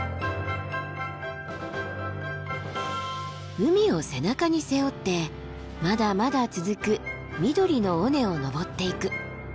海を背中に背負ってまだまだ続く緑の尾根を登っていく。